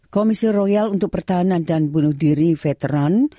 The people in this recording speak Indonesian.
komisi royal untuk pertahanan dan bunuh diri veteran